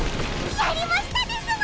やりましたですわ！